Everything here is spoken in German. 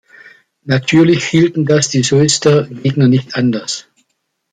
Natürlich hielten das die „Soester Gegner“ nicht anders.